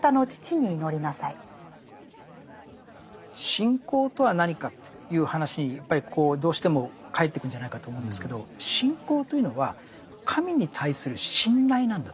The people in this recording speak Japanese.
信仰とは何かという話にやっぱりどうしてもかえっていくんじゃないかと思うんですけど信仰というのは神に対する信頼なんだと思うんです。